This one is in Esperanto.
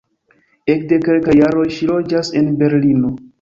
Ekde kelkaj jaroj ŝi loĝas en Berlino.